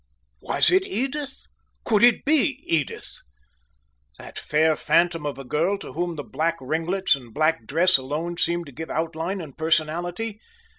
Was it Edith? Could it be Edith? That fair phantom of a girl to whom the black ringlets and black dress alone seemed to give outline and personality?